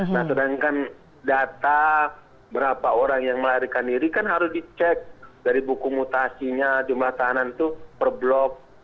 nah sedangkan data berapa orang yang melarikan diri kan harus dicek dari buku mutasinya jumlah tahanan itu per blok